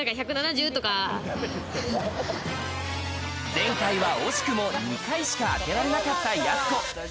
前回は惜しくも２回しか当てられなかった、やす子。